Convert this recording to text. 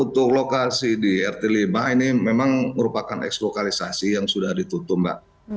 untuk lokasi di rt lima ini memang merupakan eks lokalisasi yang sudah ditutup mbak